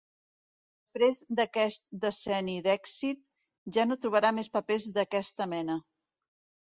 Després d'aquest decenni d'èxit, ja no trobarà més papers d'aquesta mena.